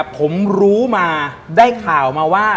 ผมรู้มาได้ข่าวมาว่า